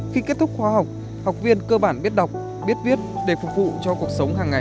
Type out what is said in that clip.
khi kết thúc khoa học học viên cơ bản biết đọc biết viết để phục vụ cho cuộc sống hàng ngày